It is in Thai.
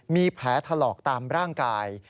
มีแผลถลอกตามร่างกาย